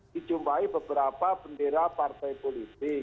dijumpai beberapa bendera partai politik